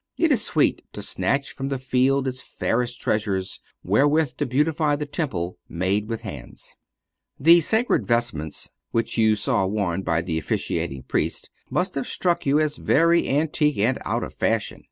It is sweet to snatch from the field its fairest treasures wherewith to beautify the temple made with hands. The sacred vestments which you saw worn by the officiating Priest must have struck you as very antique and out of fashion.